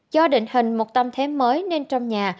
do định hình một tâm thế mới nên trong nhà